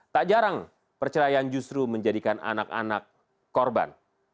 tak jarang perceraian justru menjadikan anak anak korban